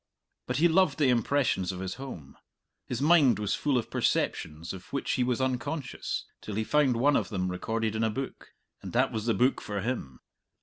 But he loved the impressions of his home. His mind was full of perceptions of which he was unconscious, till he found one of them recorded in a book, and that was the book for him.